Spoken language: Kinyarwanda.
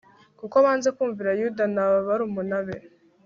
kuko banze kumvira yuda na barumuna be